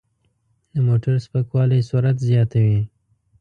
د موټر سپکوالی سرعت زیاتوي.